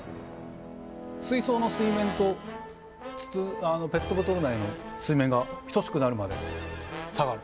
水槽の水面とペットボトル内の水面が等しくなるまで下がる。